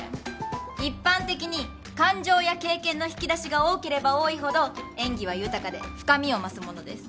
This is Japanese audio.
一般的に感情や経験の引き出しが多ければ多いほど演技は豊かで深みを増すものです